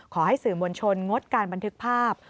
ขอให้สื่อมวลชนงดการบันทึกภาพ